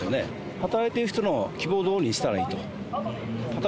働いている人の希望どおりにしたらいいと。